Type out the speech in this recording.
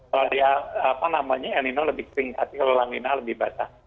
kalau dia apa namanya anino lebih kering tapi kalau lamina lebih basah